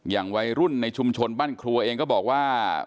อย่างวัยรุ่นในชุมชนบ้านครัวเองก็บอกว่า